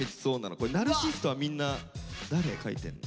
これナルシストはみんな誰書いてんの？